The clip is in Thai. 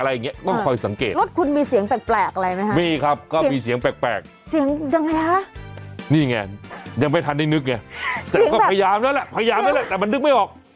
นี่ไงยังไม่ทันได้นึกไงแต่ก็พยายามแล้วแหละพยายามแล้วแหละแต่มันนึกไม่ออก